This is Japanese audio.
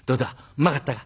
うまかったか？」。